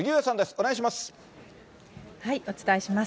お願いします。